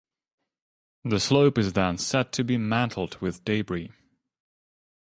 The slope is then said to be "mantled" with debris.